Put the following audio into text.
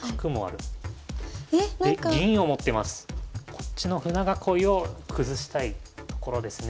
こっちの舟囲いを崩したいところですね。